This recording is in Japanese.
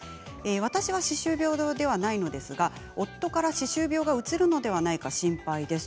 私は歯周病ではないのですが夫から歯周病がうつるのではないか心配です。